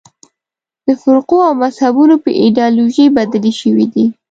د فرقو او مذهبونو په ایدیالوژۍ بدلې شوې دي.